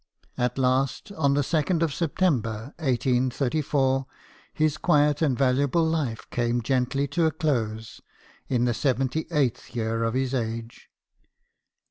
At last, on the 2nd of September, 1834, his quiet and valuable life came gently to a close, in the seventy eighth year of his age.